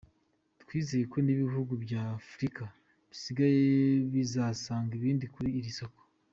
Twizeye ko n’ibihugu bya Afurika bisigaye bizasanga ibindi kuri iri soko.